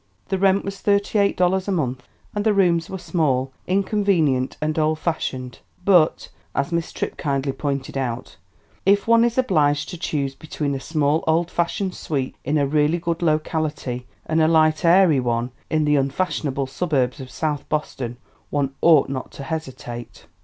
The rent was thirty eight dollars a month. And the rooms were small, inconvenient and old fashioned. "But," as Miss Tripp kindly pointed out, "if one is obliged to choose between a small, old fashioned suite in a really good locality and a light airy one in the unfashionable suburbs of South Boston one ought not to hesitate."